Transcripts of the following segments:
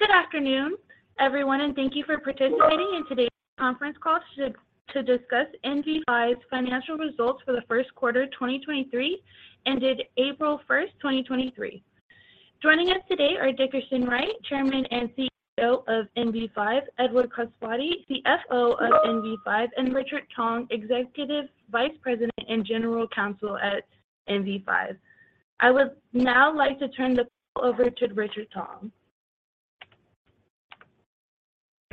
Good afternoon, everyone. Thank you for participating in today's conference call to discuss NV5's financial results for the first quarter 2023 ended April first, 2023. Joining us today are Dickerson Wright, Chairman and CEO of NV5, Edward Codispoti, CFO of NV5, and Richard Tong, Executive Vice President and General Counsel at NV5. I would now like to turn the call over to Richard Tong.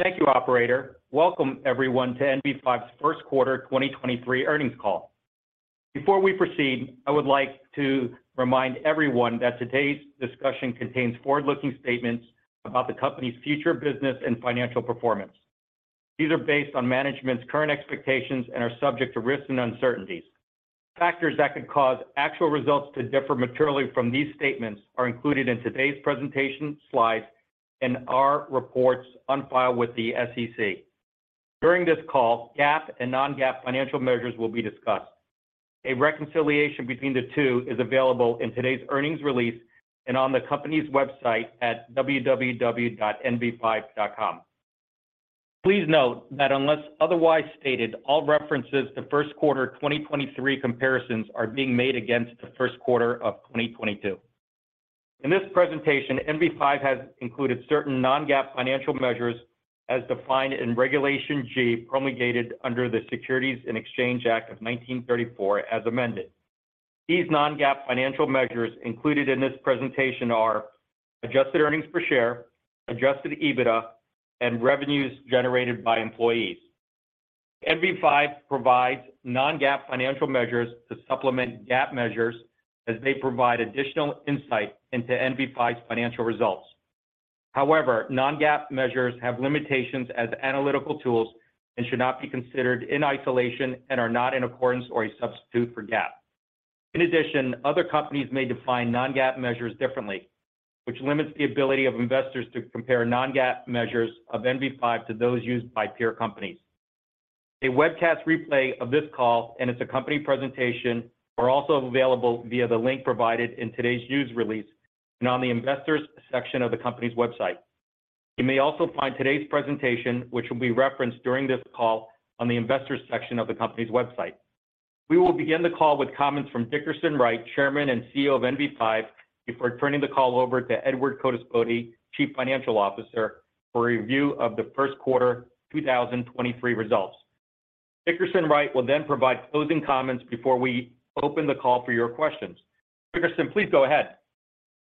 Thank you, operator. Welcome everyone to NV5's first quarter 2023 earnings call. Before we proceed, I would like to remind everyone that today's discussion contains forward-looking statements about the company's future business and financial performance. These are based on management's current expectations and are subject to risks and uncertainties. Factors that could cause actual results to differ materially from these statements are included in today's presentation slides and our reports on file with the SEC. During this call, GAAP and non-GAAP financial measures will be discussed. A reconciliation between the two is available in today's earnings release and on the company's website at www.nv5.com. Please note that unless otherwise stated, all references to first quarter 2023 comparisons are being made against the first quarter of 2022. In this presentation, NV5 has included certain non-GAAP financial measures as defined in Regulation G promulgated under the Securities Exchange Act of 1934 as amended. These non-GAAP financial measures included in this presentation are adjusted earnings per share, adjusted EBITDA, and revenues generated by employees. NV5 provides non-GAAP financial measures to supplement GAAP measures as they provide additional insight into NV5's financial results. However, non-GAAP measures have limitations as analytical tools and should not be considered in isolation and are not in accordance or a substitute for GAAP. In addition, other companies may define non-GAAP measures differently, which limits the ability of investors to compare non-GAAP measures of NV5 to those used by peer companies. A webcast replay of this call and its accompanying presentation are also available via the link provided in today's news release and on the investors section of the company's website. You may also find today's presentation, which will be referenced during this call, on the investors section of the company's website. We will begin the call with comments from Dickerson Wright, Chairman and CEO of NV5, before turning the call over to Edward Codispoti, Chief Financial Officer, for a review of the first quarter 2023 results. Dickerson Wright will provide closing comments before we open the call for your questions. Dickerson, please go ahead.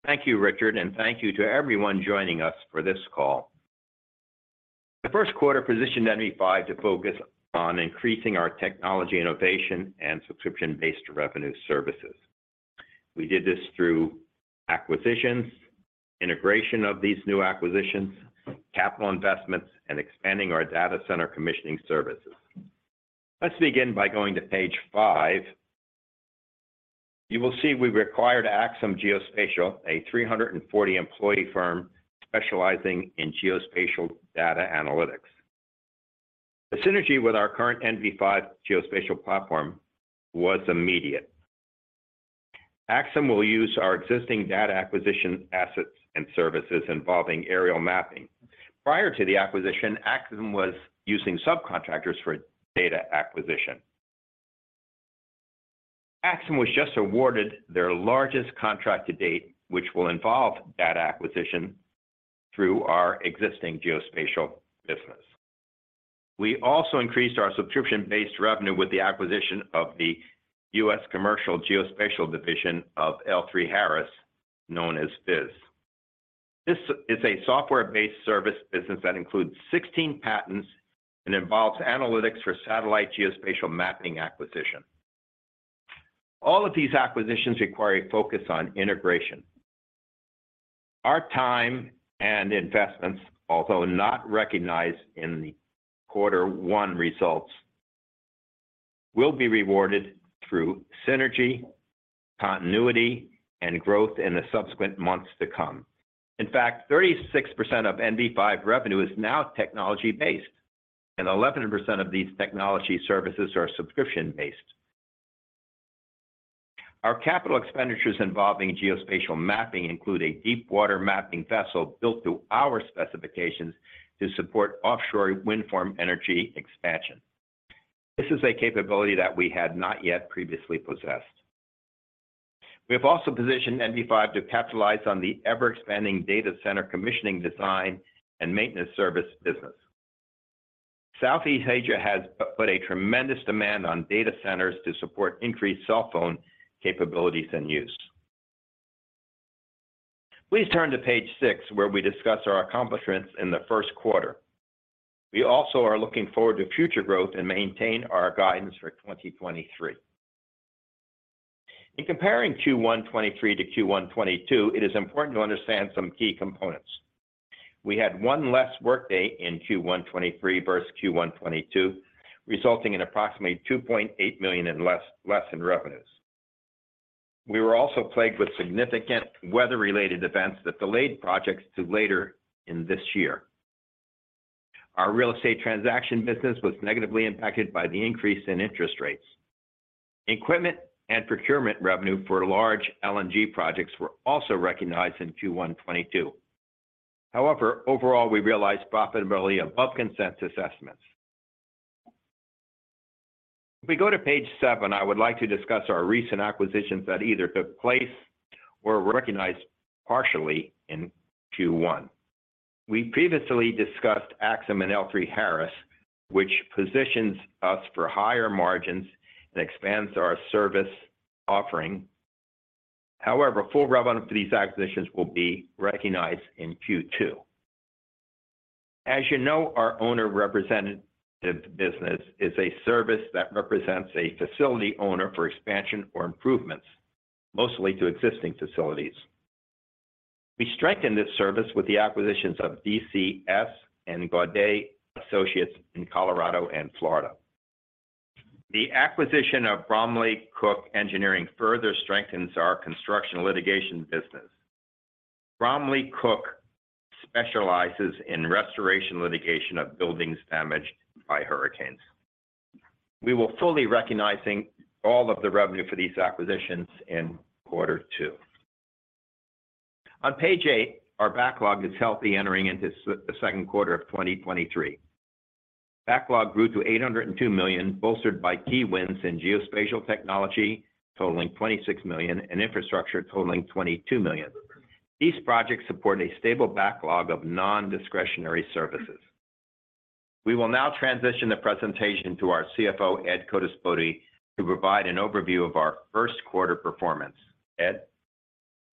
Thank you, Richard, and thank you to everyone joining us for this call. The first quarter positioned NV5 to focus on increasing our technology innovation and subscription-based revenue services. We did this through acquisitions, integration of these new acquisitions, capital investments, and expanding our data center commissioning services. Let's begin by going to page 5. You will see we've acquired Axim Geospatial, a 340-employee firm specializing in geospatial data analytics. The synergy with our current NV5 geospatial platform was immediate. Axim will use our existing data acquisition assets and services involving aerial mapping. Prior to the acquisition, Axim was using subcontractors for data acquisition. Axim was just awarded their largest contract to date, which will involve data acquisition through our existing geospatial business. We also increased our subscription-based revenue with the acquisition of the U.S. Commercial Geospatial division of L3Harris, known as FIZ. This is a software-based service business that includes 16 patents and involves analytics for satellite geospatial mapping acquisition. All of these acquisitions require a focus on integration. Our time and investments, although not recognized in the quarter one results, will be rewarded through synergy, continuity, and growth in the subsequent months to come. In fact, 36% of NV5 revenue is now technology-based, and 11% of these technology services are subscription-based. Our capital expenditures involving geospatial mapping include a deepwater mapping vessel built to our specifications to support offshore wind farm energy expansion. This is a capability that we had not yet previously possessed. We have also positioned NV5 to capitalize on the ever-expanding data center commissioning design and maintenance service business. Southeast Asia has put a tremendous demand on data centers to support increased cell phone capabilities and use. Please turn to page six, where we discuss our accomplishments in the first quarter. We also are looking forward to future growth and maintain our guidance for 2023. In comparing Q1 2023 to Q1 2022, it is important to understand some key components. We had one less workday in Q1 2023 versus Q1 2022, resulting in approximately $2.8 million in less in revenues. We were also plagued with significant weather-related events that delayed projects to later in this year. Our real estate transaction business was negatively impacted by the increase in interest rates. Equipment and procurement revenue for large LNG projects were also recognized in Q1 2022. However, overall, we realized profitability above consensus estimates. If we go to page seven, I would like to discuss our recent acquisitions that either took place or were recognized partially in Q1. We previously discussed Axim and L3Harris, which positions us for higher margins and expands our service offering. However, full revenue for these acquisitions will be recognized in Q2. As you know, our owner representative business is a service that represents a facility owner for expansion or improvements, mostly to existing facilities. We strengthened this service with the acquisitions of DCS and Gaudet Associates in Colorado and Florida. The acquisition of Bromley Cook Engineering further strengthens our construction litigation business. Bromley Cook specializes in restoration litigation of buildings damaged by hurricanes. We will fully recognizing all of the revenue for these acquisitions in quarter two. On page 8, our backlog is healthy entering into the second quarter of 2023. Backlog grew to $802 million, bolstered by key wins in geospatial technology totaling $26 million and infrastructure totaling $22 million. These projects support a stable backlog of non-discretionary services. We will now transition the presentation to our CFO, Ed Codispoti to provide an overview of our first quarter performance. Ed?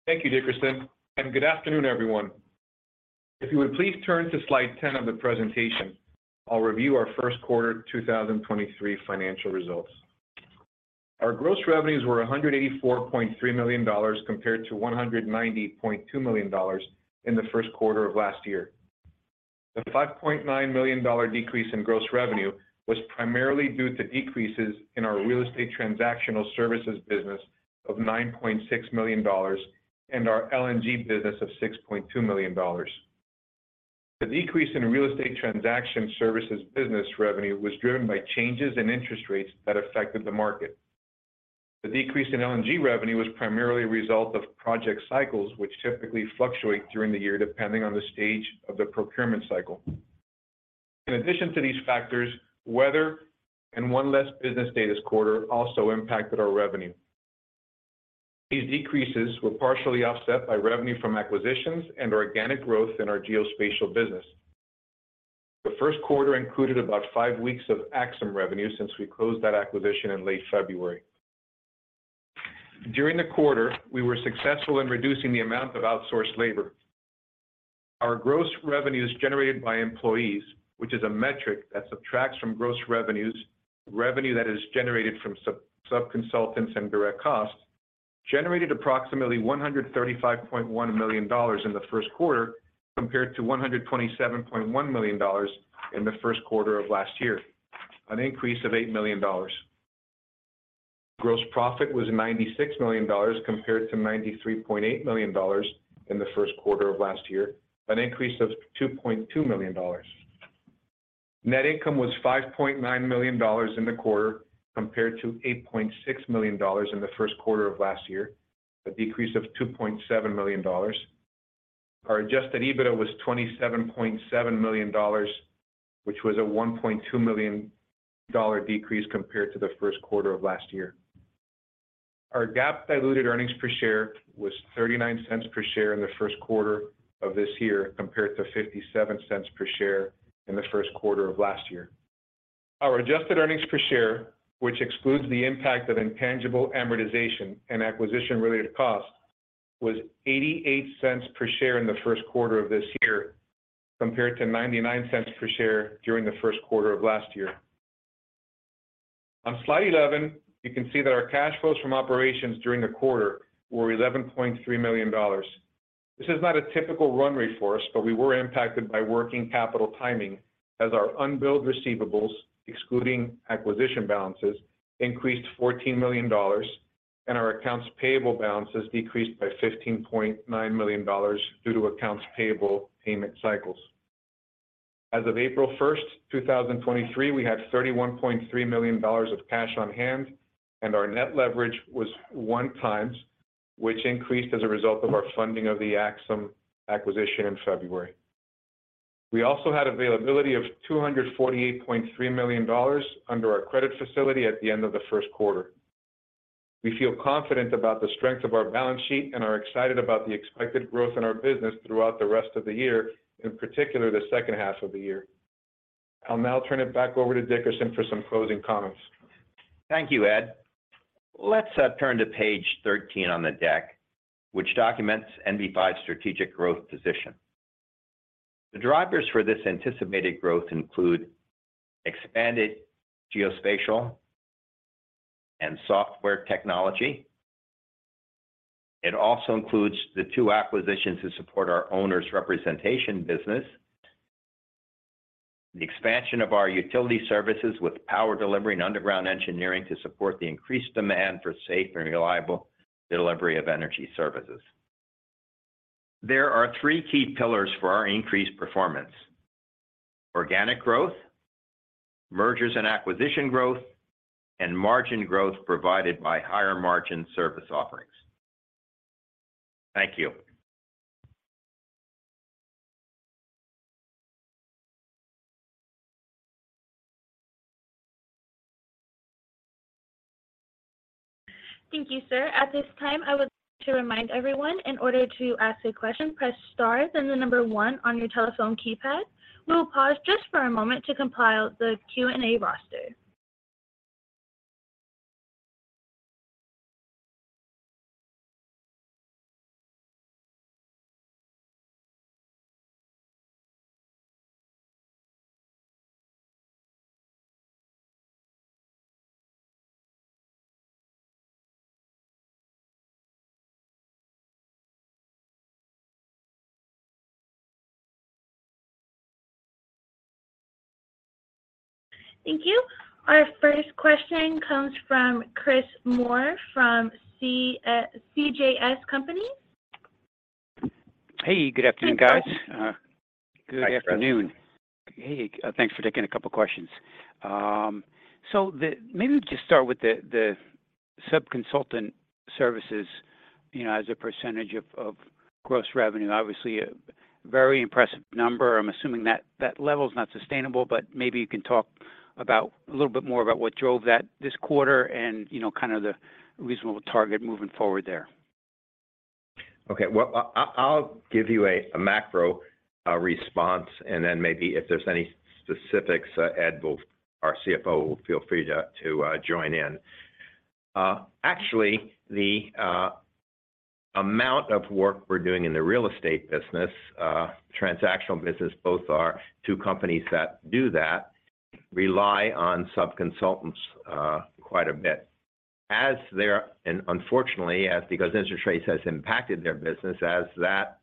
Thank you, Dickerson. Good afternoon, everyone. If you would please turn to slide 10 of the presentation, I'll review our first quarter 2023 financial results. Our gross revenues were $184.3 million compared to $190.2 million in the first quarter of last year. The $5.9 million decrease in gross revenue was primarily due to decreases in our real estate transactional services business of $9.6 million and our LNG business of $6.2 million. The decrease in real estate transaction services business revenue was driven by changes in interest rates that affected the market. The decrease in LNG revenue was primarily a result of project cycles, which typically fluctuate during the year depending on the stage of the procurement cycle. In addition to these factors, weather and one less business day this quarter also impacted our revenue. These decreases were partially offset by revenue from acquisitions and organic growth in our geospatial business. The first quarter included about five weeks of Axim revenue since we closed that acquisition in late February. During the quarter, we were successful in reducing the amount of outsourced labor. Our gross revenues generated by employees, which is a metric that subtracts from gross revenues, revenue that is generated from sub-subconsultants and direct costs, generated approximately $135.1 million in the first quarter compared to $127.1 million in the first quarter of last year, an increase of $8 million. Gross profit was $96 million compared to $93.8 million in the first quarter of last year, an increase of $2.2 million. Net income was $5.9 million in the quarter compared to $8.6 million in the first quarter of last year, a decrease of $2.7 million. Our adjusted EBITDA was $27.7 million, which was a $1.2 million decrease compared to the first quarter of last year. Our GAAP diluted earnings per share was $0.39 per share in the first quarter of this year compared to $0.57 per share in the first quarter of last year. Our adjusted earnings per share, which excludes the impact of intangible amortization and acquisition-related costs, was $0.88 per share in the first quarter of this year compared to $0.99 per share during the first quarter of last year. On slide 11, you can see that our cash flows from operations during the quarter were $11.3 million. This is not a typical run rate for us, we were impacted by working capital timing as our unbilled receivables, excluding acquisition balances, increased $14 million and our accounts payable balances decreased by $15.9 million due to accounts payable payment cycles. As of April 1st, 2023, we had $31.3 million of cash on hand and our net leverage was 1 times, which increased as a result of our funding of the Axim acquisition in February. We also had availability of $248.3 million under our credit facility at the end of the first quarter. We feel confident about the strength of our balance sheet and are excited about the expected growth in our business throughout the rest of the year, in particular the second half of the year. I'll now turn it back over to Dickerson for some closing comments. Thank you, Ed. Let's turn to page 13 on the deck, which documents NV5's strategic growth position. The drivers for this anticipated growth include expanded geospatial and software technology. It also includes the two acquisitions to support our owner's representation business. The expansion of our utility services with power delivery and underground engineering to support the increased demand for safe and reliable delivery of energy services. There are three key pillars for our increased performance: organic growth, mergers and acquisition growth, and margin growth provided by higher margin service offerings. Thank you. Thank you, sir. At this time, I would like to remind everyone, in order to ask a question, press star, then one on your telephone keypad. We'll pause just for a moment to compile the Q&A roster. Thank you. Our first question comes from Christopher Moore from CJS Securities. Hey, good afternoon, guys. Good afternoon. Hey, thanks for taking a couple of questions. maybe just start with the sub-consultant services, you know, as a percentage of gross revenue. Obviously, a very impressive number. I'm assuming that level is not sustainable, but maybe you can talk about a little bit more about what drove that this quarter and, you know, kind of the reasonable target moving forward there. Okay. Well, I'll give you a macro response, and then maybe if there's any specifics, Ed, our CFO will feel free to join in. Actually, the amount of work we're doing in the real estate business, transactional business, both our two companies that do that rely on sub-consultants quite a bit. Unfortunately, as because interest rates has impacted their business as that,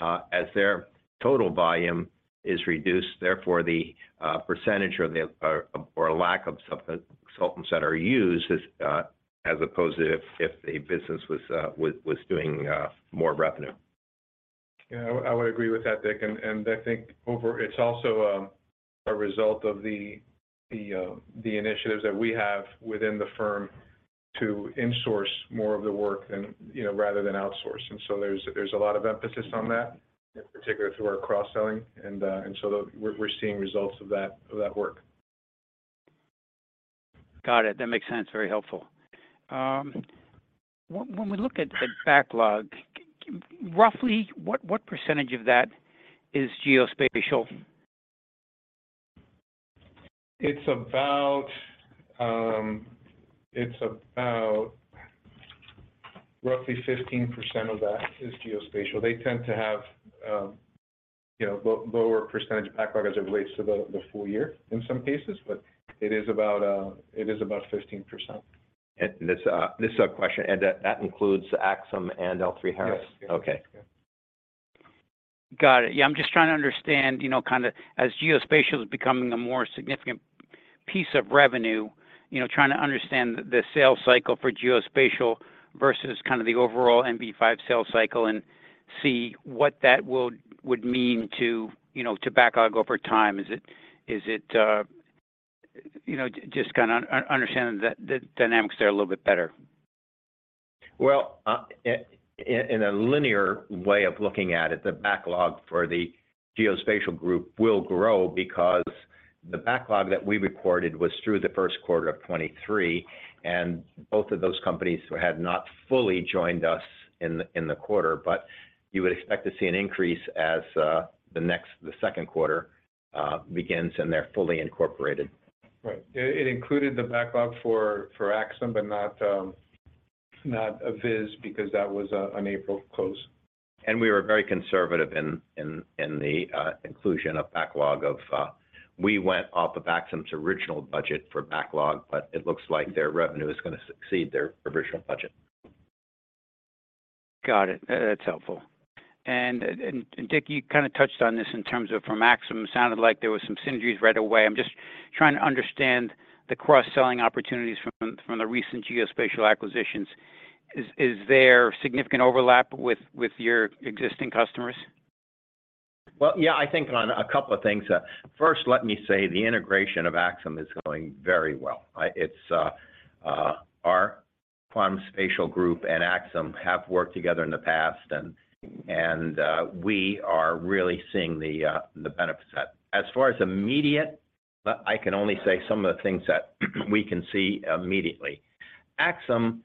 as their total volume is reduced, therefore, the percentage of the or a lack of sub-consultants that are used is as opposed to if a business was doing more revenue. Yeah. I would agree with that, Dickerson. I think it's also a result of the initiatives that we have within the firm to insource more of the work and, you know, rather than outsource. There's a lot of emphasis on that, in particular through our cross-selling. We're seeing results of that work. Got it. That makes sense. Very helpful. When we look at the backlog, roughly what percentage of that is geospatial? It's about, it's about roughly 15% of that is geospatial. They tend to have, you know, lower percentage of backlog as it relates to the full year in some cases, but it is about, it is about 15%. This is a question, and that includes Axim and L3Harris. Yes. Okay. Yeah. Got it. Yeah, I'm just trying to understand, you know, kinda as geospatial is becoming a more significant piece of revenue, you know, trying to understand the sales cycle for geospatial versus kind of the overall NV5 sales cycle and see what that would mean to, you know, to backlog over time. Is it, is it, you know, just kinda understanding the dynamics there a little bit better? Well, in a linear way of looking at it, the backlog for the geospatial group will grow because the backlog that we recorded was through the first quarter of 2023, and both of those companies had not fully joined us in the quarter. You would expect to see an increase as the second quarter begins, and they're fully incorporated. Right. It included the backlog for Axim, but not of his because that was an April close. We were very conservative in the inclusion of backlog of. We went off of Axim's original budget for backlog, but it looks like their revenue is gonna succeed their original budget. Got it. That's helpful. Dickerson, you kinda touched on this in terms of for Axim. It sounded like there was some synergies right away. I'm just trying to understand the cross-selling opportunities from the recent geospatial acquisitions. Is there significant overlap with your existing customers? Well, yeah, I think on a couple of things. First, let me say the integration of Axim is going very well. It's, our Quantum Spatial group and Axim have worked together in the past and we are really seeing the benefits of that. As far as immediate, I can only say some of the things that we can see immediately. Axim,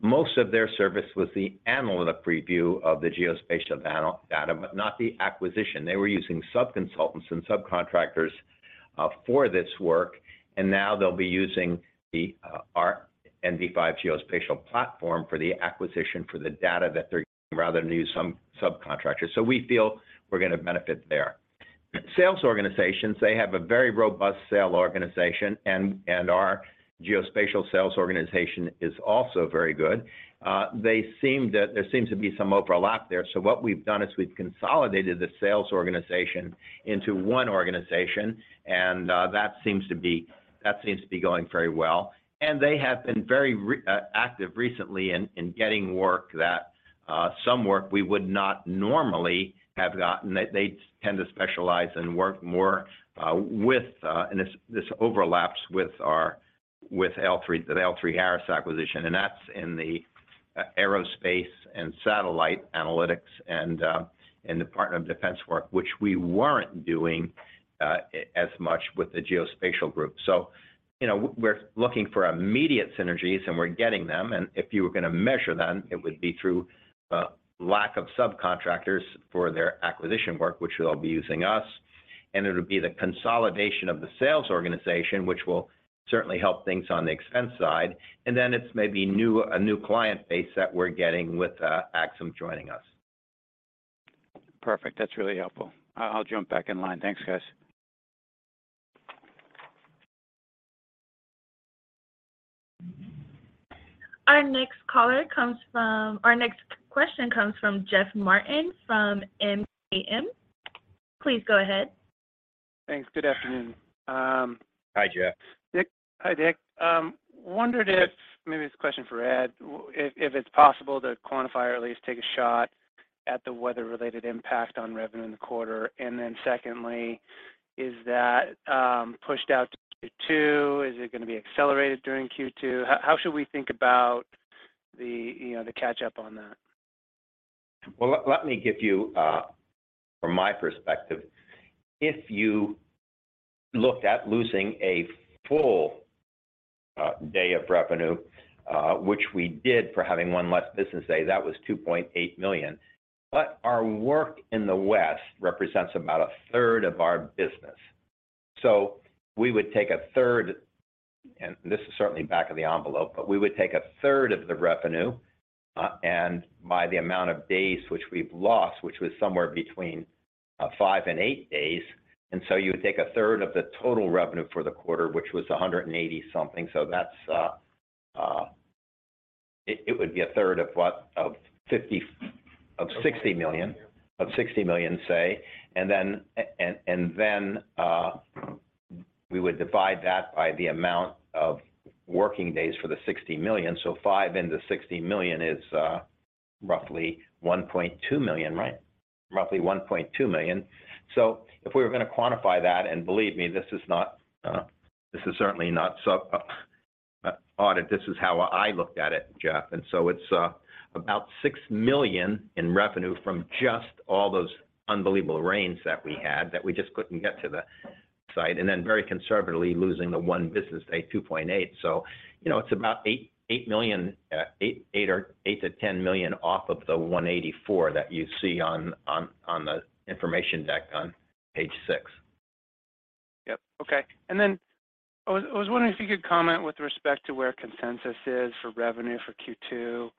most of their service was the analytic review of the geospatial data, but not the acquisition. They were using sub-consultants and subcontractors for this work, and now they'll be using our NV5 geospatial platform for the acquisition for the data rather than use some subcontractor. We feel we're going to benefit there. Sales organizations, they have a very robust sale organization, and our geospatial sales organization is also very good. They seem that there seems to be some overlap there. What we've done is we've consolidated the sales organization into one organization, and that seems to be going very well. They have been very active recently in getting work that some work we would not normally have gotten. They tend to specialize and work more with. This overlaps with L-3, the L3Harris acquisition, and that's in the aerospace and satellite analytics and the Department of Defense work, which we weren't doing as much with the Geospatial group. You know, we're looking for immediate synergies, and we're getting them. If you were gonna measure them, it would be through lack of subcontractors for their acquisition work, which they'll be using us. It'll be the consolidation of the sales organization, which will certainly help things on the expense side. Then it's maybe a new client base that we're getting with, Axim Geospatial joining us. Perfect. That's really helpful. I'll jump back in line. Thanks, guys. Our next question comes from Jeff Martin from MKM. Please go ahead. Thanks. Good afternoon, Hi, Jeff. Dickerson. Hi, Dickerson. Yes. Maybe this question is for Ed. if it's possible to quantify or at least take a shot at the weather-related impact on revenue in the quarter. Secondly, is that pushed out to Q2? Is it gonna be accelerated during Q2? How should we think about the, you know, the catch-up on that? Well, let me give you from my perspective. If you looked at losing a full day of revenue, which we did for having one less business day, that was $2.8 million. Our work in the West represents about a third of our business. We would take a third, and this is certainly back of the envelope, but we would take a third of the revenue, and by the amount of days which we've lost, which was somewhere between five and eight days. You would take a third of the total revenue for the quarter, which was 180 something. That's. It would be a third of what? Of $60 million. Of $60 million, say, we would divide that by the amount of working days for the $60 million. Five into $60 million is roughly $1.2 million, right? Roughly $1.2 million. If we were gonna quantify that, and believe me, this is not, this is certainly not sub audit. This is how I looked at it, Jeff. It's about $6 million in revenue from just all those unbelievable rains that we had that we just couldn't get to the site, and then very conservatively losing the one business day, $2.8 million. You know, it's about $8 million, or $8 million-$10 million off of the $184 million that you see on the information deck on page 6. Yep. Okay. I was wondering if you could comment with respect to where consensus is for revenue for Q2,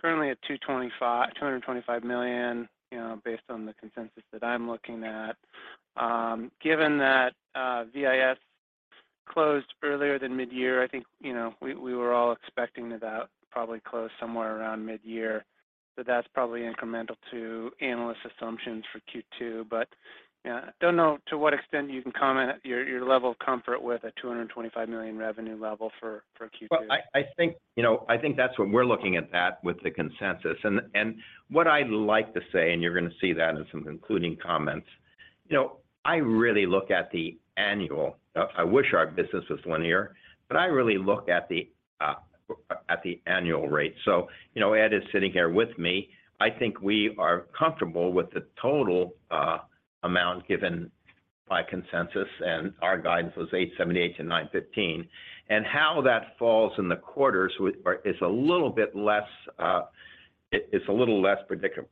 currently at $225 million, you know, based on the consensus that I'm looking at. Given that VIS closed earlier than mid-year, I think, you know, we were all expecting that that would probably close somewhere around mid-year. That's probably incremental to analyst assumptions for Q2. you know, don't know to what extent you can comment your level of comfort with a $225 million revenue level for Q2. Well, I think, you know, I think that's when we're looking at that with the consensus. What I like to say, and you're gonna see that in some concluding comments, you know, I really look at the annual. I wish our business was linear, but I really look at the annual rate. You know, Ed is sitting here with me. I think we are comfortable with the total amount given by consensus, and our guidance was $878-$915. How that falls in the quarters or is a little bit less, it is a little less predictable.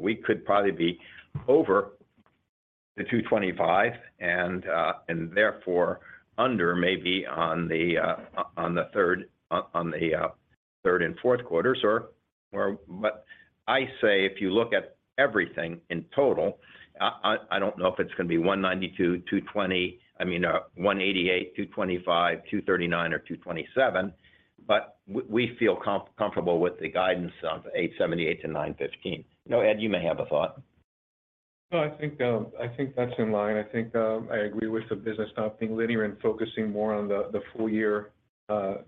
We could probably be over the $225 and therefore under maybe on the third, on the third and fourth quarters or... I say if you look at everything in total, I don't know if it's gonna be $192, $220, I mean, $188, $225, $239, or $227, but we feel comfortable with the guidance of $878-$915. You know, Ed, you may have a thought. No, I think, I think that's in line. I think, I agree with the business not being linear and focusing more on the full year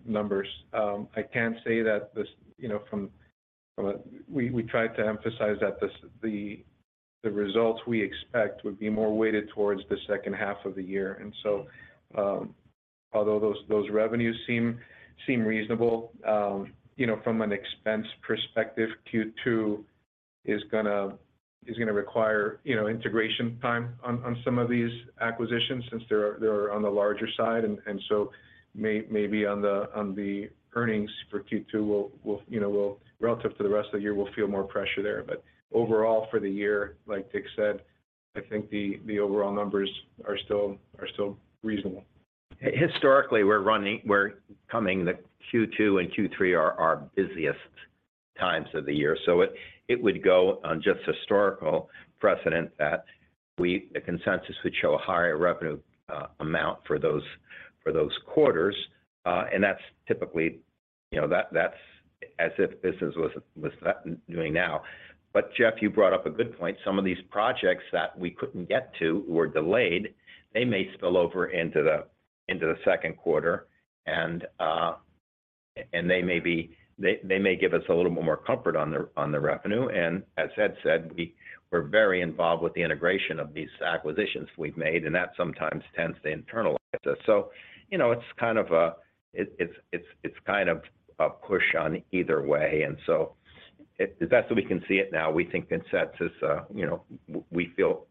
numbers. I can say that this, you know, we tried to emphasize that the results we expect would be more weighted towards the second half of the year. Although those revenues seem reasonable, you know, from an expense perspective, Q2 is gonna require, you know, integration time on some of these acquisitions since they're on the larger side. So maybe on the earnings for Q2, we'll, you know, relative to the rest of the year, we'll feel more pressure there. overall, for the year, like Dickerson said, I think the overall numbers are still reasonable. Historically, we're coming to Q2 and Q3 are our busiest times of the year. It would go on just historical precedent that the consensus would show a higher revenue amount for those, for those quarters. That's typically, you know, that's as if business was doing now. Jeff, you brought up a good point. Some of these projects that we couldn't get to were delayed. They may spill over into the second quarter. They may give us a little bit more comfort on the, on the revenue. As Ed said, we're very involved with the integration of these acquisitions we've made, and that sometimes tends to internalize us. You know, it's kind of a push on either way. That's the way we can see it now. We think consensus, you know, we feel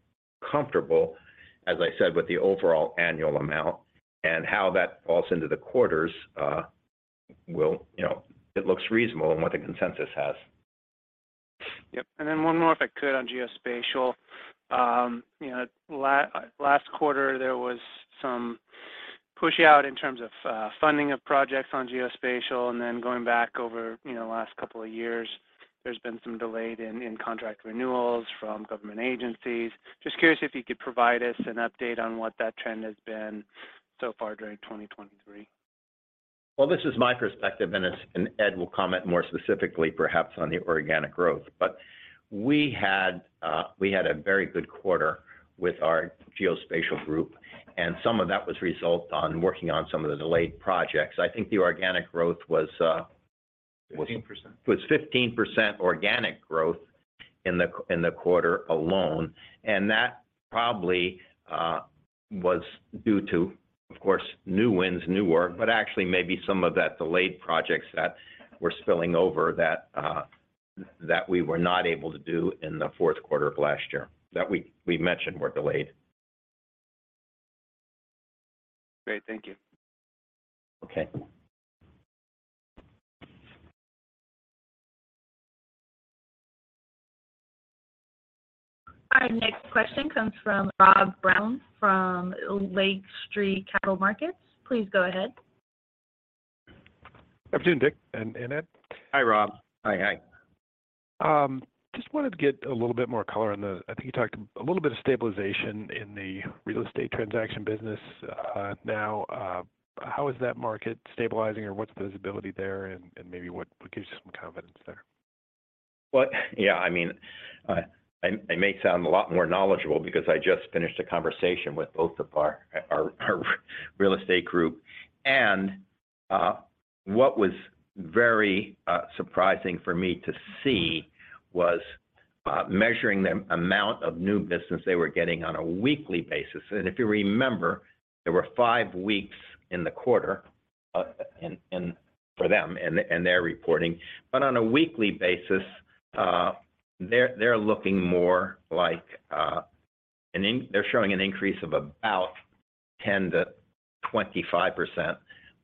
comfortable, as I said, with the overall annual amount and how that falls into the quarters, will, you know, it looks reasonable in what the consensus has. Yep. Then one more, if I could, on Geospatial. You know, last quarter, there was some push out in terms of funding of projects on Geospatial. Then going back over, you know, the last couple of years, there's been some delayed in contract renewals from government agencies. Just curious if you could provide us an update on what that trend has been so far during 2023? Well, this is my perspective, and Ed will comment more specifically perhaps on the organic growth. We had a very good quarter with our Geospatial group, and some of that was result on working on some of the delayed projects. I think the organic growth was. 15%. Was 15% organic growth in the quarter alone. That probably was due to, of course, new wins, new work, but actually maybe some of that delayed projects that were spilling over that we were not able to do in the fourth quarter of last year that we mentioned were delayed. Great. Thank you. Okay. Our next question comes from Rob Brown from Lake Street Capital Markets. Please go ahead. Afternoon, Dickerson and Ed. Hi, Rob. Hi. Hi. Just wanted to get a little bit more color I think you talked a little bit of stabilization in the real estate transaction business, now. How is that market stabilizing or what's the visibility there and, maybe what gives you some confidence there? Well, yeah, I mean, I may sound a lot more knowledgeable because I just finished a conversation with both of our real estate group. What was very surprising for me to see was measuring the amount of new business they were getting on a weekly basis. If you remember, there were five weeks in the quarter, and for them and their reporting. On a weekly basis, they're looking more like. They're showing an increase of about 10%-25%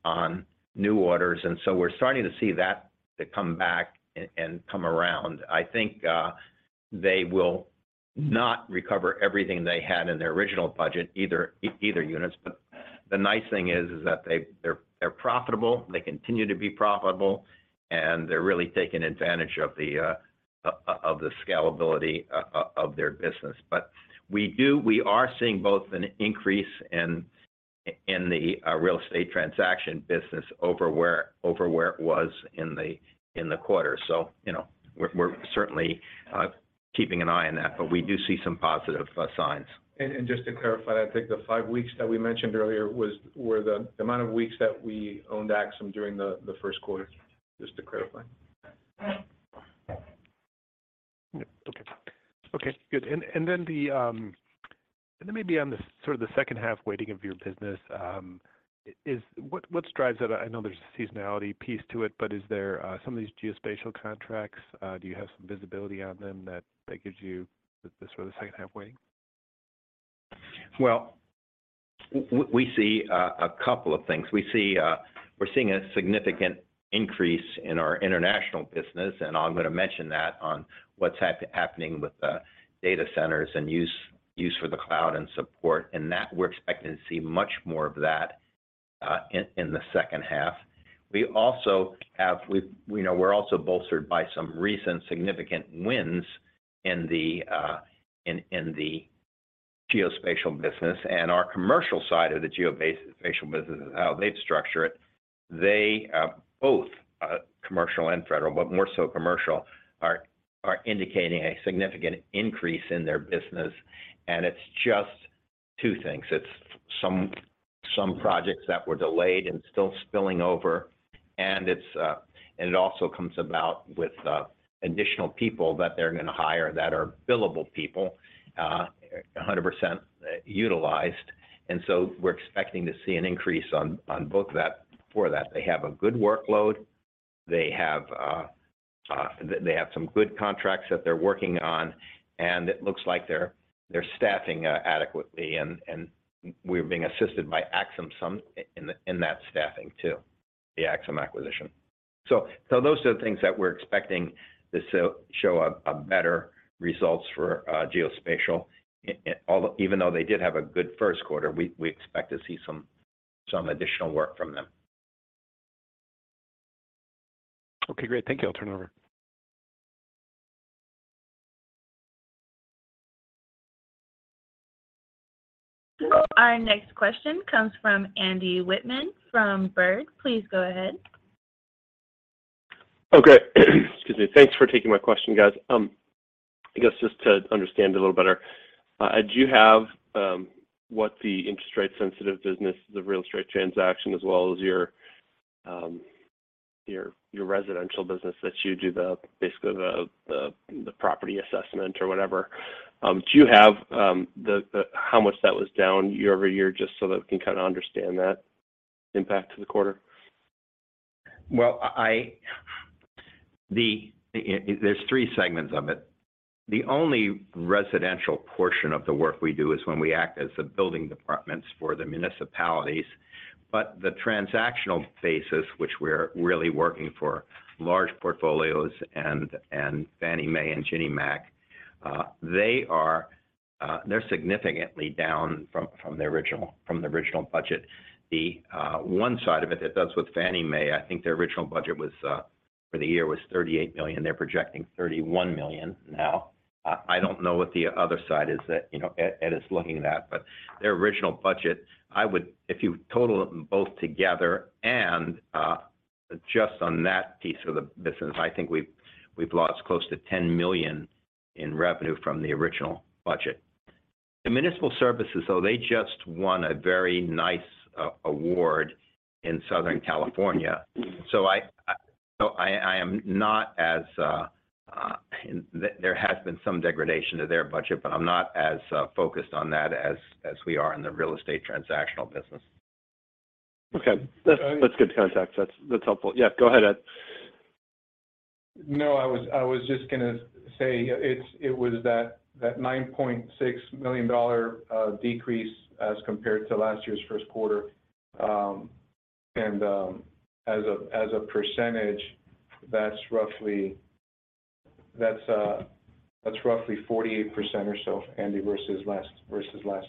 on new orders. We're starting to see that come back and come around. I think, they will not recover everything they had in their original budget, either units. The nice thing is that they're profitable, they continue to be profitable, and they're really taking advantage of the of the scalability of their business. We are seeing both an increase in the real estate transaction business over where it was in the quarter. You know, we're certainly keeping an eye on that. We do see some positive signs. Just to clarify that, I think the five weeks that we mentioned earlier were the amount of weeks that we owned Axim during the first quarter, just to clarify. Yep. Okay, good. Then the, and then maybe on the sort of the second half weighting of your business, is what drives it? I know there's a seasonality piece to it, but is there some of these geospatial contracts, do you have some visibility on them that gives you the sort of second half weighting? Well, we see a couple of things. We see. We're seeing a significant increase in our international business. I'm gonna mention that on what's happening with the data centers and use for the cloud and support. That we're expecting to see much more of that in the second half. We, you know, we're also bolstered by some recent significant wins in the geospatial business and our commercial side of the geospatial business and how they've structured it. They both commercial and federal, but more so commercial, are indicating a significant increase in their business. It's just two things. It's some projects that were delayed and still spilling over, it also comes about with additional people that they're gonna hire that are billable people, a 100% utilized. We're expecting to see an increase on both that for that. They have a good workload. They have some good contracts that they're working on, and it looks like they're staffing adequately and we're being assisted by Axim some in that staffing too, the Axim acquisition. Those are the things that we're expecting to show a better results for Geospatial. Even though they did have a good first quarter, we expect to see some additional work from them. Okay, great. Thank you. I'll turn it over. Our next question comes from Andrew Wittmann from Baird. Please go ahead. Okay. Excuse me. Thanks for taking my question, guys. I guess just to understand a little better, do you have what the interest rate sensitive business, the real estate transaction, as well as your residential business that you do the basically the property assessment or whatever. Do you have how much that was down year-over-year, just so that we can kind of understand that impact to the quarter? Well, there's three segments of it. The only residential portion of the work we do is when we act as the building departments for the municipalities. The transactional basis, which we're really working for large portfolios and Fannie Mae and Ginnie Mae, they are, they're significantly down from the original budget. The one side of it that does with Fannie Mae, I think their original budget was for the year was $38 million. They're projecting $31 million now. I don't know what the other side is that, you know, Ed is looking at, but their original budget, if you total it both together and just on that piece of the business, I think we've lost close to $10 million in revenue from the original budget. The municipal services. They just won a very nice award in Southern California. There has been some degradation to their budget, but I'm not as focused on that as we are in the real estate transactional business. Okay. That's good context. That's helpful. Yeah, go ahead, Ed. No, I was just gonna say it's, it was that $9.6 million decrease as compared to last year's first quarter. As a percentage, that's roughly 48% or so, Andy, versus last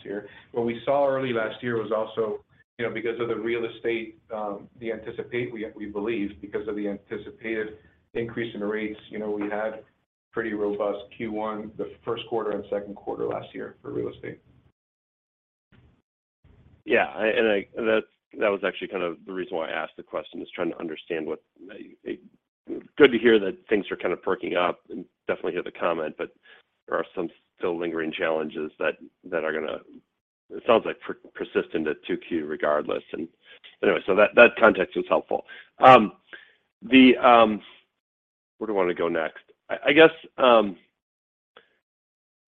year. What we saw early last year was also, you know, because of the real estate, we believe because of the anticipated increase in the rates. You know, we had pretty robust Q1, the first quarter and second quarter last year for real estate. Yeah. That was actually kind of the reason why I asked the question, is trying to understand. Good to hear that things are kind of perking up and definitely hear the comment, there are some still lingering challenges that are gonna, it sounds like persistent at 2Q regardless. Anyway, that context was helpful. Where do we wanna go next? I guess,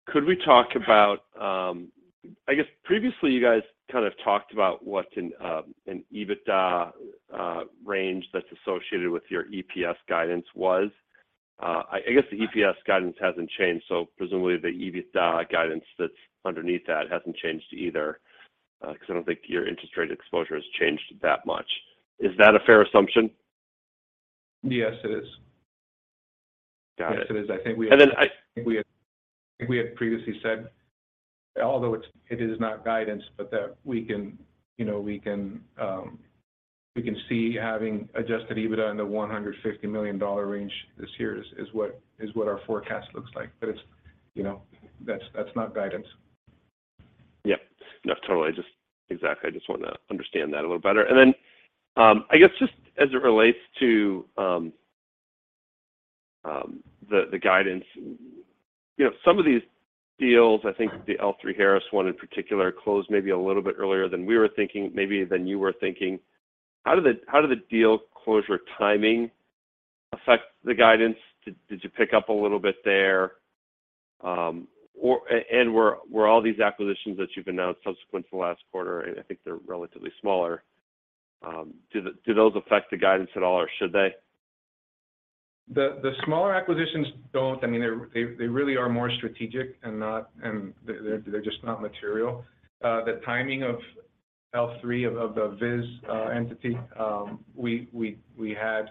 could we talk about? I guess previously you guys kind of talked about what an EBITDA range that's associated with your EPS guidance was. I guess the EPS guidance hasn't changed, presumably the EBITDA guidance that's underneath that hasn't changed either, 'cause I don't think your interest rate exposure has changed that much. Is that a fair assumption? Yes, it is. Got it. Yes, it is. I think we. I- I think we had previously said, although it's not guidance, that we can, you know, we can see having adjusted EBITDA in the $150 million range this year is what our forecast looks like. It's, you know, that's not guidance. Yep. No, totally. I just Exactly. I just wanna understand that a little better. Then, I guess just as it relates to the guidance, you know, some of these deals, I think the L3Harris one in particular closed maybe a little bit earlier than we were thinking, maybe than you were thinking. How did the deal closure timing affect the guidance? Did you pick up a little bit there? Were all these acquisitions that you've announced subsequent to last quarter, and I think they're relatively smaller, do those affect the guidance at all or should they? The smaller acquisitions don't. I mean, they really are more strategic and not, and they're just not material. The timing of L3 of the Viz entity, we had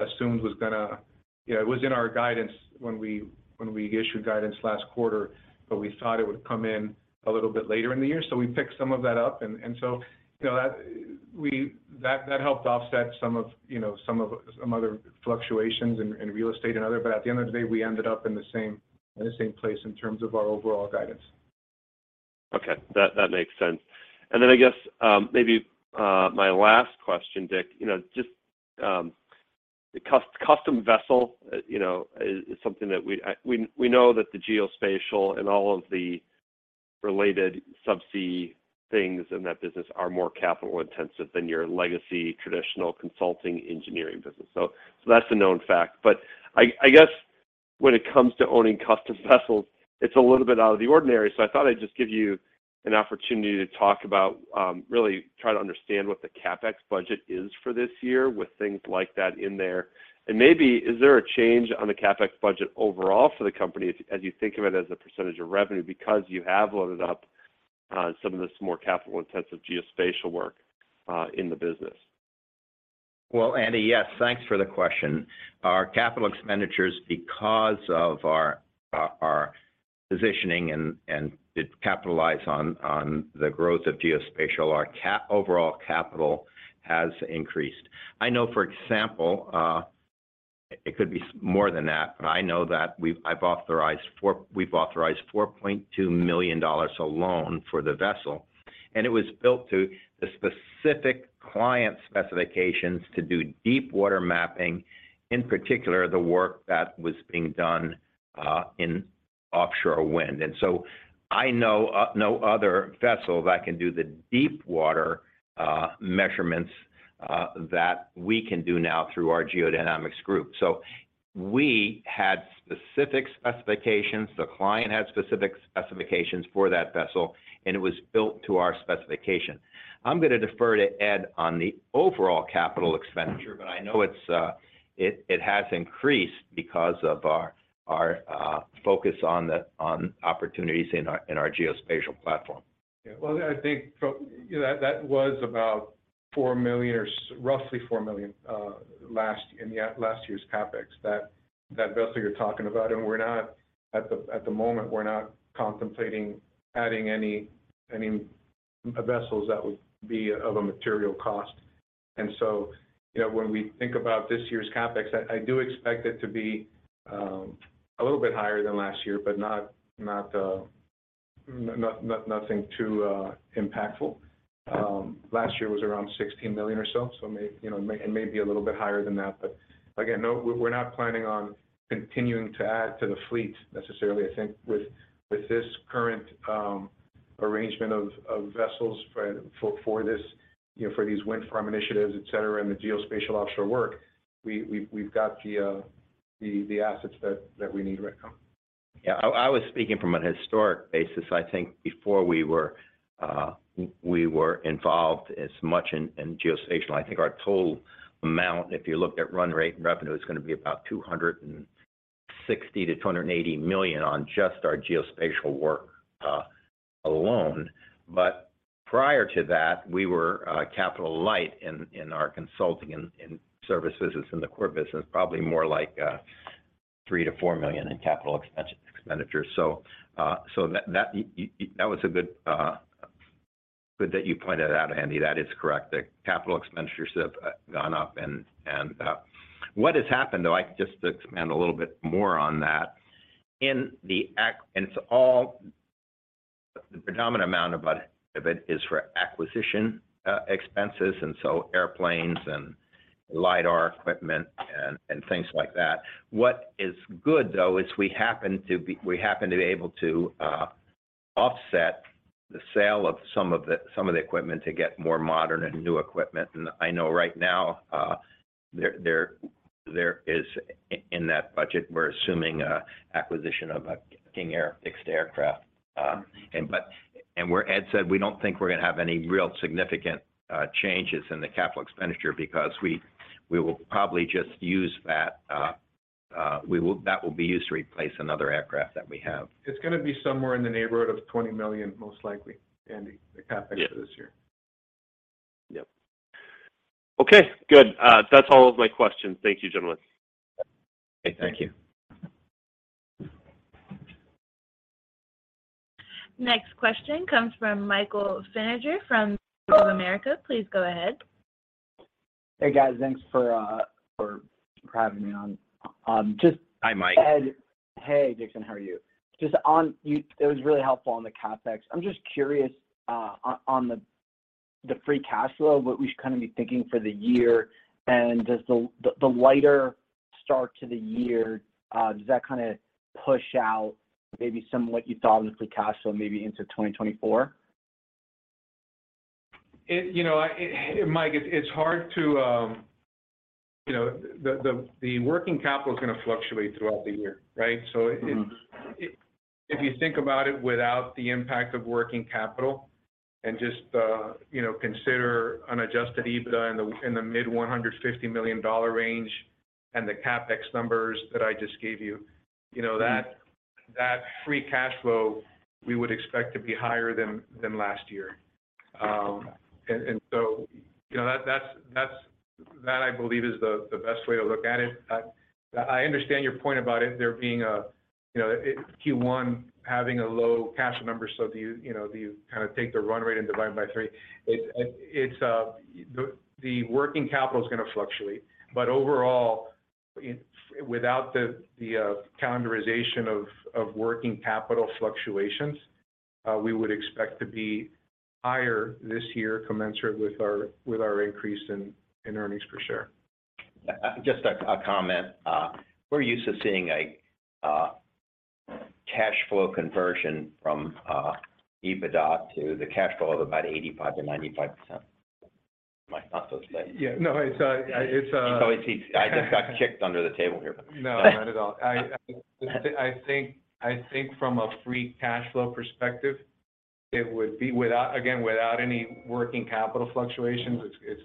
assumed was gonna... You know, it was in our guidance when we issued guidance last quarter, but we thought it would come in a little bit later in the year. We picked some of that up and, you know, that helped offset some of, you know, some other fluctuations in real estate and other. At the end of the day, we ended up in the same place in terms of our overall guidance. Okay. That makes sense. I guess, maybe, my last question, Dickerson, you know, just, the custom vessel, you know, is something that we know that the geospatial and all of the related subsea things in that business are more capital intensive than your legacy traditional consulting engineering business. That's a known fact. I guess when it comes to owning custom vessels, it's a little bit out of the ordinary. I thought I'd just give you an opportunity to talk about, really try to understand what the CapEx budget is for this year with things like that in there. Maybe is there a change on the CapEx budget overall for the company as you think of it as a % of revenue because you have loaded up, some of this more capital intensive geospatial work, in the business? Well, Andy, yes. Thanks for the question. Our capital expenditures, because of our positioning and it capitalize on the growth of geospatial, overall capital has increased. I know, for example, it could be more than that, but I know that we've authorized $4.2 million alone for the vessel. It was built to the specific client specifications to do deep water mapping, in particular, the work that was being done in Offshore wind. I know no other vessel that can do the deep water measurements that we can do now through our Geodynamics group. We had specific specifications, the client had specific specifications for that vessel, and it was built to our specification. I'm gonna defer to Ed on the overall capital expenditure, but I know it has increased because of our, focus on opportunities in our, in our geospatial platform. Well, I think You know, that was about $4 million or roughly $4 million at last year's CapEx. That vessel you're talking about. At the moment, we're not contemplating adding any vessels that would be of a material cost. You know, when we think about this year's CapEx, I do expect it to be a little bit higher than last year, but nothing too impactful. Last year was around $16 million or so, you know, it may be a little bit higher than that. Again, no, we're not planning on continuing to add to the fleet necessarily. I think with this current arrangement of vessels for this, you know, for these wind farm initiatives, et cetera, and the geospatial offshore work, we've got the assets that we need right now. Yeah. I was speaking from a historic basis. I think before we were involved as much in geospatial, I think our total amount, if you looked at run rate and revenue, is gonna be about $260 million-$280 million on just our geospatial work alone. Prior to that, we were capital light in our consulting and services. It's in the core business, probably more like $3 million-$4 million in capital expenditure. That, that was a good that you pointed out, Andy. That is correct. The capital expenditures have gone up and... What has happened though, I can just expand a little bit more on that. The predominant amount of it is for acquisition expenses, and airplanes and Lidar equipment and things like that. What is good though is we happen to be able to offset the sale of some of the equipment to get more modern and new equipment. I know right now, there is in that budget, we're assuming acquisition of a King Air fixed aircraft. Where Ed said, we don't think we're gonna have any real significant changes in the capital expenditure because we will probably just use that will be used to replace another aircraft that we have. It's gonna be somewhere in the neighborhood of $20 million, most likely, Andy. Yeah the CapEx for this year. Yep. Okay, good. That's all of my questions. Thank you, gentlemen. Okay. Thank you. Next question comes from Michael Feniger from Bank of America. Please go ahead. Hey, guys. Thanks for having me on. Hi, Mike. Hey, Dickerson. How are you? It was really helpful on the CapEx. I'm just curious on the free cash flow, what we should kind of be thinking for the year. Does the lighter start to the year push out maybe some of what you thought in the free cash flow maybe into 2024? You know, Mike, it's hard to, you know, the working capital is gonna fluctuate throughout the year, right? Mm-hmm. If you think about it without the impact of working capital and just, you know, consider unadjusted EBITDA in the mid $150 million range and the CapEx numbers that I just gave you. You know. Mm-hmm that free cash flow, we would expect to be higher than last year. You know, that I believe is the best way to look at it. I understand your point about it there being a, you know, Q1 having a low cash number, do you know, do you kind of take the run rate and divide by three? It's the working capital is gonna fluctuate. Overall, without the calendarization of working capital fluctuations, we would expect to be higher this year commensurate with our increase in earnings per share. Just a comment. We're used to seeing a cash flow conversion from EBITDA to the cash flow of about 85%-95%. Mike, not so slight. Yeah. No, it's. He's always... I just got kicked under the table here. No, not at all. I think from a free cash flow perspective, it would be again, without any working capital fluctuations, it's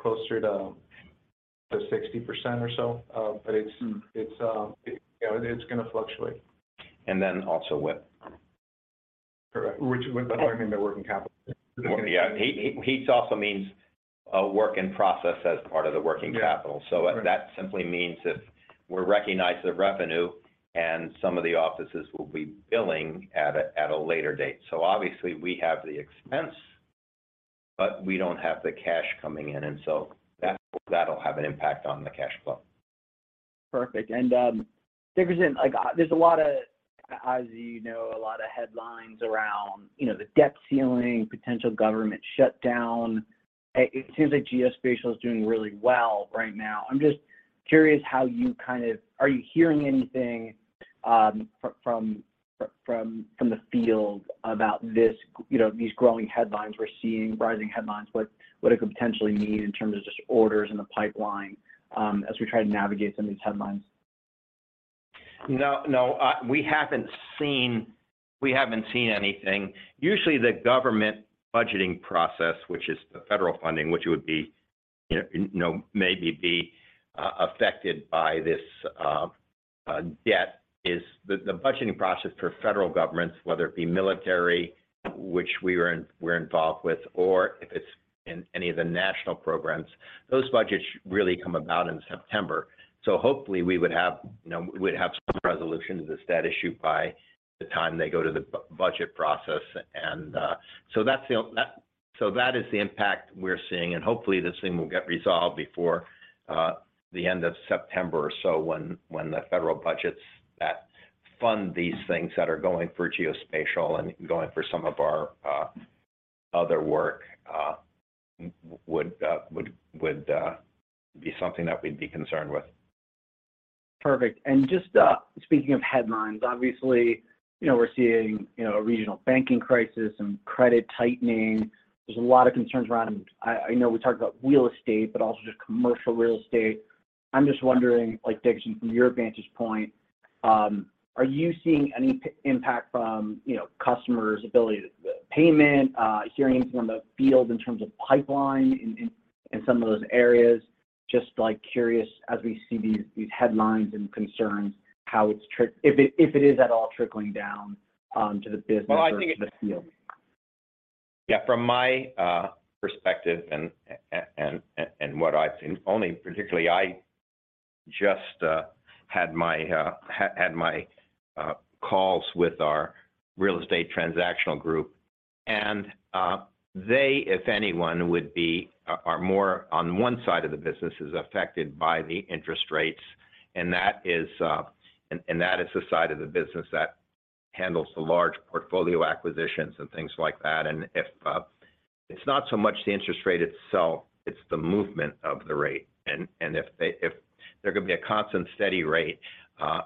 closer to the 60% or so. it's- Mm. It's, you know, it's gonna fluctuate. Also WIP. Correct. Which, WIP, I mean the working capital. Yeah. It also means, work in process as part of the working capital. Yeah. Correct. That simply means if we recognize the revenue and some of the offices will be billing at a later date. Obviously, we have the expense, but we don't have the cash coming in, that'll have an impact on the cash flow. Perfect. Dickerson, like, there's a lot of, as you know, a lot of headlines around, you know, the debt ceiling, potential government shutdown. It seems like geospatial is doing really well right now. I'm just curious. Are you hearing anything from the field about this, you know, these growing headlines we're seeing, rising headlines? What it could potentially mean in terms of just orders in the pipeline, as we try to navigate some of these headlines? No, no, we haven't seen anything. Usually the government budgeting process, which is the federal funding, which would be, you know, maybe be affected by this debt, is the budgeting process for federal governments, whether it be military, which we're involved with, or if it's in any of the national programs. Those budgets really come about in September. Hopefully we would have, you know, we'd have some resolution to the debt issue by the time they go to the budget process. That is the impact we're seeing, and hopefully this thing will get resolved before the end of September or so when the federal budgets that fund these things that are going for geospatial and going for some of our other work, would be something that we'd be concerned with. Perfect. Just, speaking of headlines, obviously, you know, we're seeing, you know, a regional banking crisis and credit tightening. There's a lot of concerns around, I know we talked about real estate, but also just commercial real estate. I'm just wondering, like, Dixon, from your vantage point, are you seeing any impact from, you know, customers' ability to payment, hearing anything on the field in terms of pipeline in some of those areas? Just, like, curious as we see these headlines and concerns, how it's trickling, if it is at all trickling down to the business. Well, I think. ...or to the field. Yeah, from my perspective and what I've seen, only particularly I just had my calls with our real estate transactional group. They, if anyone, would be, are more on one side of the business as affected by the interest rates, and that is the side of the business that handles the large portfolio acquisitions and things like that. If it's not so much the interest rate itself, it's the movement of the rate, and if there could be a constant steady rate.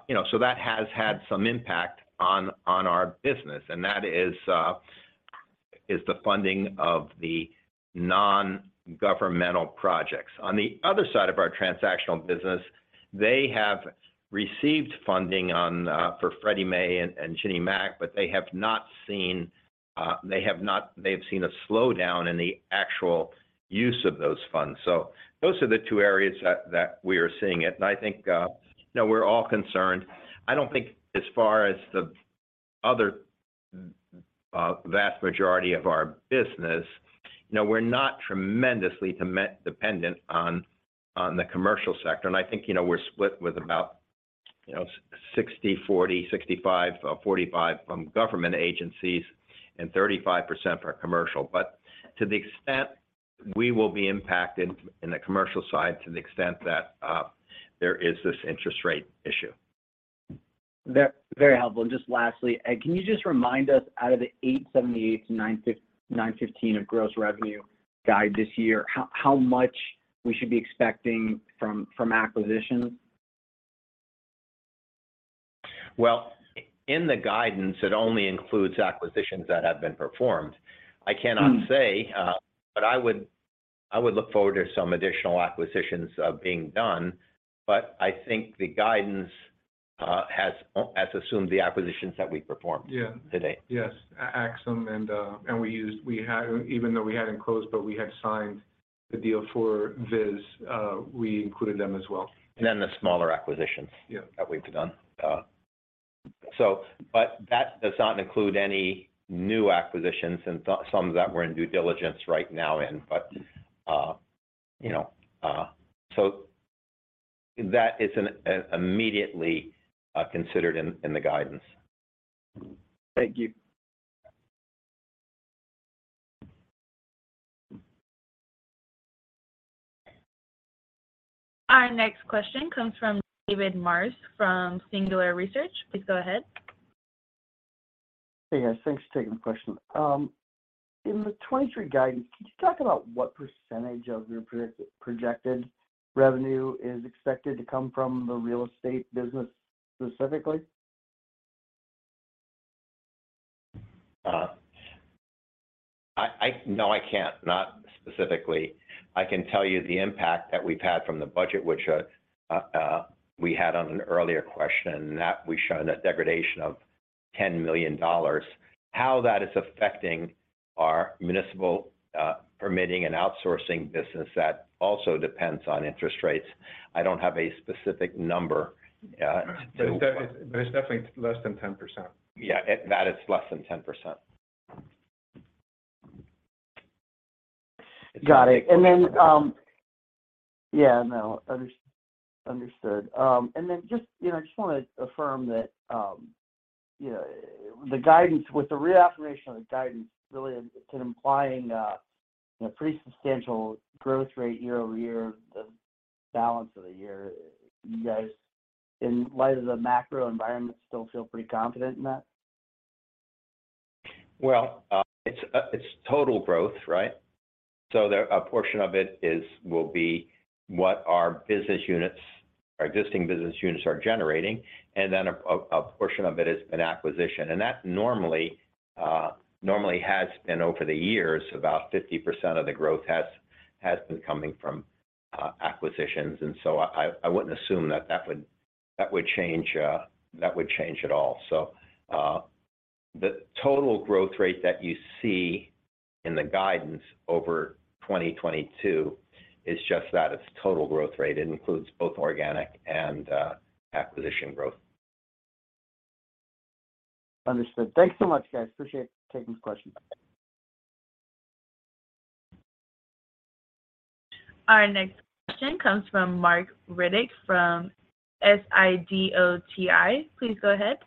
You know, that has had some impact on our business, and that is the funding of the non-governmental projects. On the other side of our transactional business, they have received funding on for Fannie Mae and Ginnie Mae, but they've seen a slowdown in the actual use of those funds. Those are the two areas that we are seeing it. I think, you know, we're all concerned. I don't think as far as the other vast majority of our business, you know, we're not tremendously dependent on the commercial sector. I think, you know, we're split with about, you know, 60, 40, 65, 45 from government agencies and 35% are commercial. To the extent we will be impacted in the commercial side, to the extent that there is this interest rate issue. Very helpful. Just lastly, can you just remind us out of the $878 million-$915 million of gross revenue guide this year, how much we should be expecting from acquisitions? In the guidance, it only includes acquisitions that have been performed. Mm. I cannot say, but I would look forward to some additional acquisitions being done. I think the guidance has assumed the acquisitions that we performed. Yeah... to date. Yes. Axim and we had even though we hadn't closed, but we had signed the deal for Viz, we included them as well. The smaller acquisitions. Yeah that we've done. That does not include any new acquisitions and some that we're in due diligence right now in. You know, that isn't immediately considered in the guidance. Thank you. Our next question comes from David Marsh from Singular Research. Please go ahead. Hey, guys. Thanks for taking the question. In the 23 guidance, could you talk about what % of your projected revenue is expected to come from the real estate business specifically? No, I can't, not specifically. I can tell you the impact that we've had from the budget, which we had on an earlier question, that we've shown a degradation of $10 million. How that is affecting our municipal permitting and outsourcing business, that also depends on interest rates. I don't have a specific number. It's definitely less than 10%. Yeah. That is less than 10%. Got it. Yeah, no, understood. Just, you know, I just wanna affirm that, you know, with the reaffirmation of the guidance, really it's been implying, you know, pretty substantial growth rate year-over-year, the balance of the year. You guys, in light of the macro environment, still feel pretty confident in that? Well, it's total growth, right? A portion of it will be what our business units, our existing business units are generating, and then a portion of it is an acquisition. That normally has been over the years, about 50% of the growth has been coming from acquisitions. I wouldn't assume that that would change, that would change at all. The total growth rate that you see in the guidance over 2022 is just that. It's total growth rate. It includes both organic and acquisition growth. Understood. Thanks so much, guys. Appreciate taking the question. Our next question comes from Marc Riddick from Sidoti. Please go ahead.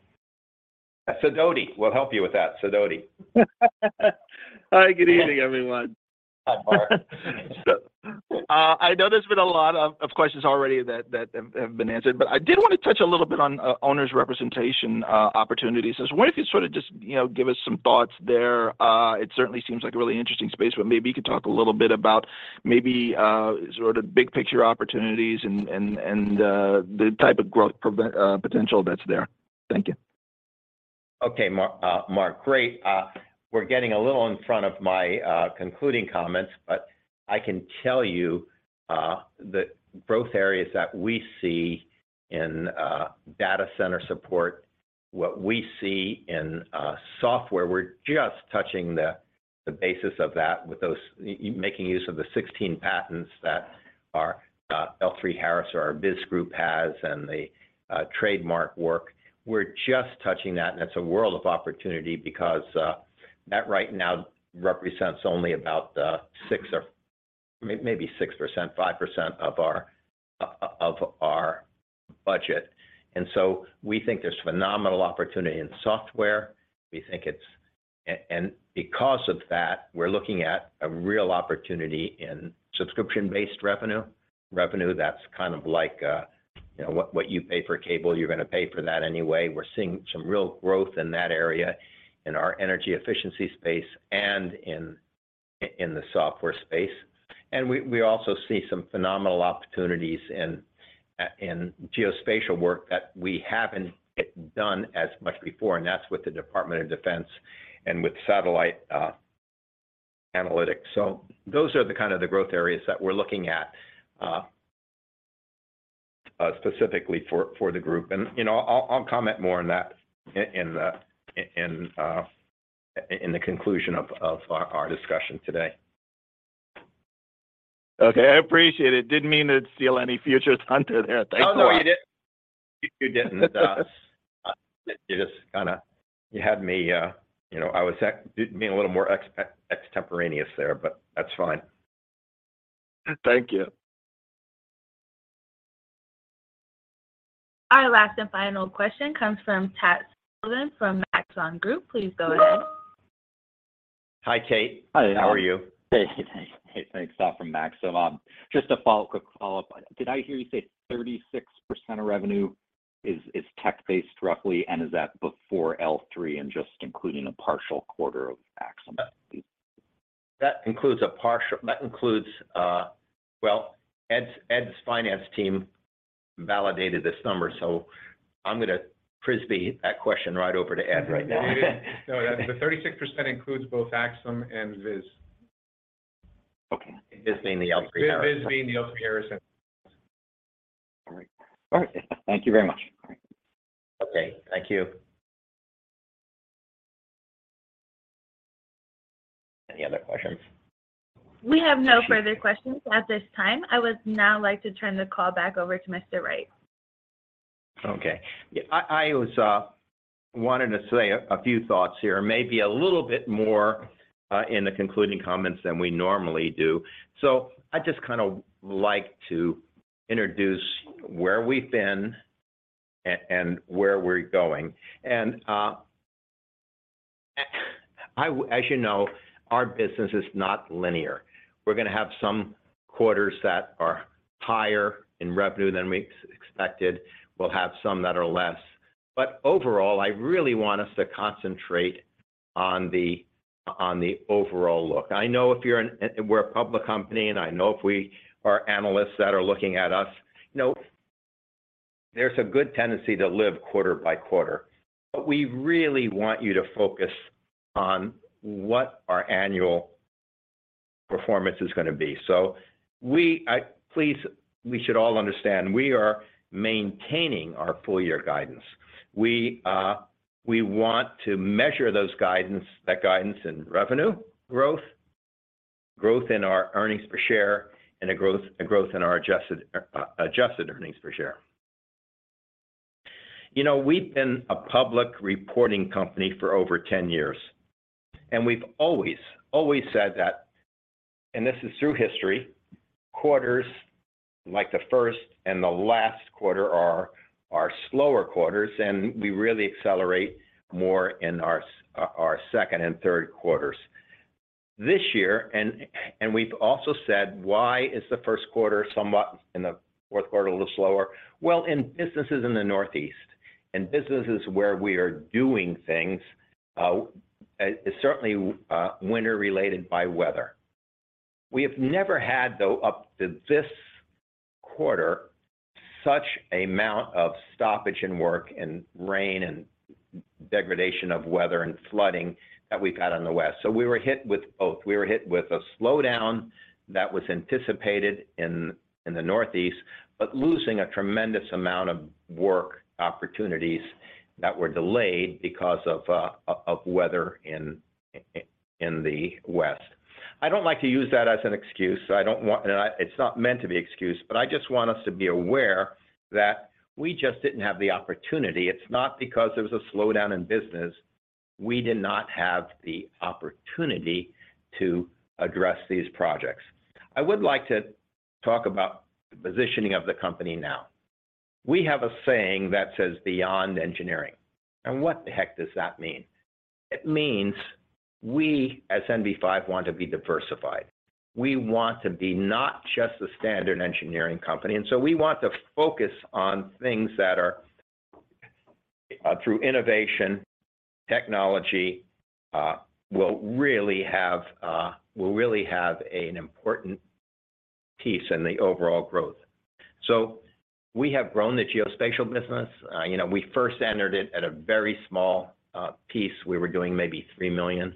Sidoti. We'll help you with that. Sidoti. Hi, good evening, everyone. Hi, Marc. I know there's been a lot of questions already that have been answered. I did wanna touch a little bit on owner's representation opportunities. I was wondering if you could sort of just, you know, give us some thoughts there. It certainly seems like a really interesting space, maybe you could talk a little bit about maybe sort of big picture opportunities and the type of growth potential that's there. Thank you. Okay, Marc. Great. We're getting a little in front of my concluding comments, but I can tell you, the growth areas that we see in data center support, what we see in software, we're just touching the basis of that with those making use of the 16 patents that our L3Harris or our VIS Group has and the trademark work. We're just touching that, and it's a world of opportunity because that right now represents only about 6% or 5% of our budget. We think there's phenomenal opportunity in software. Because of that, we're looking at a real opportunity in subscription-based revenue that's kind of like, you know, what you pay for cable, you're gonna pay for that anyway. We're seeing some real growth in that area, in our energy efficiency space and in the software space. We also see some phenomenal opportunities in geospatial work that we haven't yet done as much before, and that's with the Department of Defense and with satellite analytics. Those are the kind of the growth areas that we're looking at specifically for the group. You know, I'll comment more on that in the conclusion of our discussion today. Okay. I appreciate it. Didn't mean to steal any futures, Hunter, there. Thanks a lot. Oh, no, you didn't. You didn't. You just kinda. You had me, you know, I was being a little more extemporaneous there. That's fine. Thank you. Our last and final question comes from Tate Sullivan from Maxim Group. Please go ahead. Hi, Tate. Hi there. How are you? Good. Hey. Hey, thanks. Tate from Maxim. Just a quick follow-up. Did I hear you say 36% of revenue is tech-based roughly? Is that before L-3 and just including a partial quarter of Axim? Well, Ed's finance team validated this number, so I'm gonna Frisbee that question right over to Ed right now. No, the 36% includes both Axim and VIS. Okay. VIS being the L3Harris. VIS being the L3Harris. All right. All right. Thank you very much. All right. Okay. Thank you. Any other questions? We have no further questions at this time. I would now like to turn the call back over to Mr. Wright. Okay. I was wanting to say a few thoughts here, maybe a little bit more in the concluding comments than we normally do. I'd just kinda like to introduce where we've been and where we're going. As you know, our business is not linear. We're gonna have some quarters that are higher in revenue than we expected. We'll have some that are less. Overall, I really want us to concentrate on the overall look. I know if we're a public company, I know if we are analysts that are looking at us, you know, there's a good tendency to live quarter by quarter. We really want you to focus on what our annual performance is gonna be. Please, we should all understand, we are maintaining our full year guidance. We want to measure that guidance in revenue growth in our earnings per share, and a growth in our adjusted earnings per share. You know, we've been a public reporting company for over 10 years, and we've always said that, and this is through history, quarters like the first and the last quarter are slower quarters, and we really accelerate more in our second and third quarters. This year, we've also said why is the first quarter somewhat and the fourth quarter a little slower? Well, in businesses in the Northeast and businesses where we are doing things, certainly, winter related by weather. We have never had, though, up to this quarter, such amount of stoppage in work and rain and degradation of weather and flooding that we've had on the West. We were hit with both. We were hit with a slowdown that was anticipated in the Northeast, but losing a tremendous amount of work opportunities that were delayed because of weather in the West. I don't like to use that as an excuse, so it's not meant to be excuse, but I just want us to be aware that we just didn't have the opportunity. It's not because there was a slowdown in business. We did not have the opportunity to address these projects. I would like to talk about the positioning of the company now. We have a saying that says, "Beyond engineering." What the heck does that mean? It means we as NV5 want to be diversified. We want to be not just a standard engineering company. We want to focus on things that are through innovation, technology, will really have an important piece in the overall growth. We have grown the geospatial business. You know, we first entered it at a very small piece. We were doing maybe $3 million.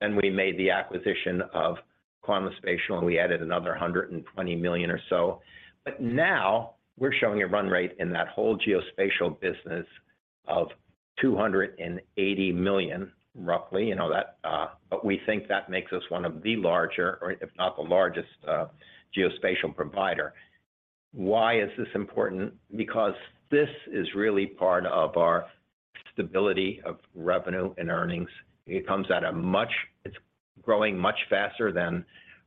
We made the acquisition of Quantum Spatial, and we added another $120 million or so. Now we're showing a run rate in that whole geospatial business of $280 million, roughly. You know, that, we think that makes us one of the larger or if not the largest geospatial provider. Why is this important? Because this is really part of our stability of revenue and earnings. It's growing much faster than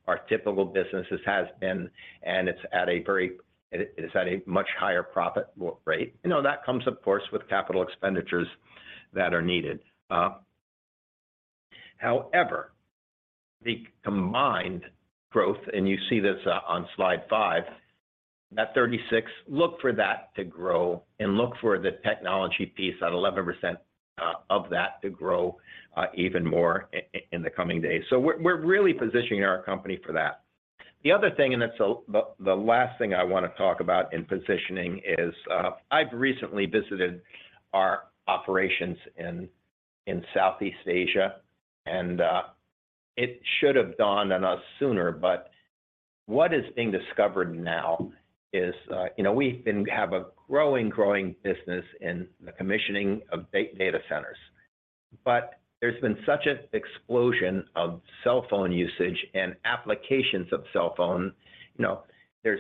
our typical businesses has been, and it is at a much higher profit rate. You know, that comes, of course, with capital expenditures that are needed. However, the combined growth, and you see this on slide five, that 36, look for that to grow and look for the technology piece at 11% of that to grow even more in the coming days. We're really positioning our company for that. The other thing, and it's the last thing I wanna talk about in positioning is, I've recently visited our operations in Southeast Asia, and it should have dawned on us sooner. What is being discovered now is, you know, we have a growing business in the commissioning of data centers. There's been such an explosion of cell phone usage and applications of cell phone. You know, there's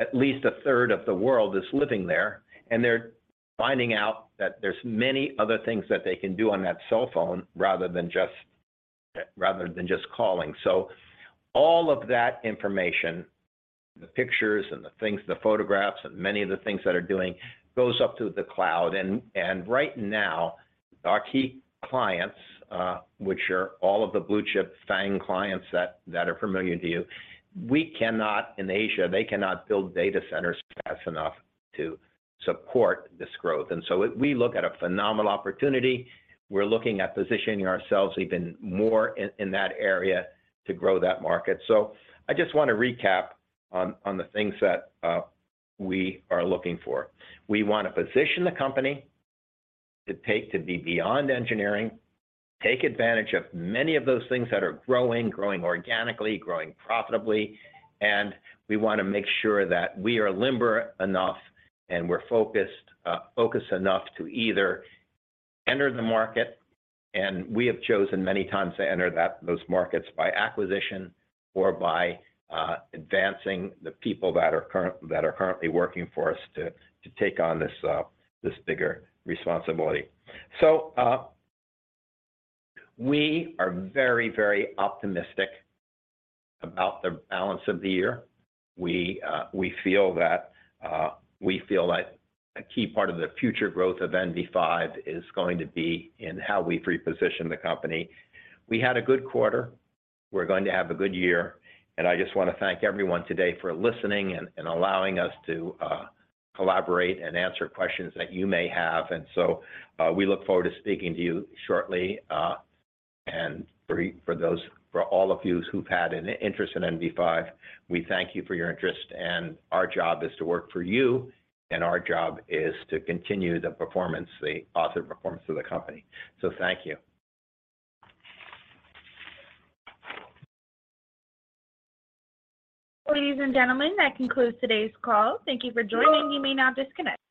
at least a third of the world is living there, and they're finding out that there's many other things that they can do on that cell phone rather than just calling. All of that information, the pictures and the things, the photographs, and many of the things that are doing goes up to the cloud. Right now, our key clients, which are all of the blue-chip FAANG clients that are familiar to you, in Asia, they cannot build data centers fast enough to support this growth. We look at a phenomenal opportunity. We're looking at positioning ourselves even more in that area to grow that market. I just wanna recap on the things that we are looking for. We wanna position the company to be beyond engineering, take advantage of many of those things that are growing organically, growing profitably. We wanna make sure that we are limber enough and we're focused enough to either enter the market, and we have chosen many times to enter those markets by acquisition or by advancing the people that are currently working for us to take on this bigger responsibility. We are very, very optimistic about the balance of the year. We feel that a key part of the future growth of NV5 is going to be in how we reposition the company. We had a good quarter. We're going to have a good year. I just wanna thank everyone today for listening and allowing us to collaborate and answer questions that you may have. We look forward to speaking to you shortly. For all of you who've had an interest in NV5, we thank you for your interest, and our job is to work for you, and our job is to continue the performance, the author performance of the company. Thank you. Ladies and gentlemen, that concludes today's call. Thank you for joining. You may now disconnect.